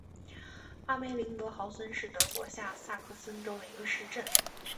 阿梅林格豪森是德国下萨克森州的一个市镇。